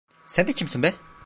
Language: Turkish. Sen de kimsin be?